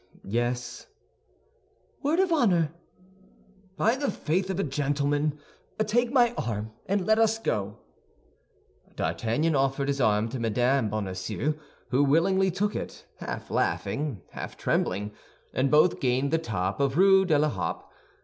"Yes." "Word of honor?" "By the faith of a gentleman. Take my arm, and let us go." D'Artagnan offered his arm to Mme. Bonacieux, who willingly took it, half laughing, half trembling, and both gained the top of Rue de la Harpe.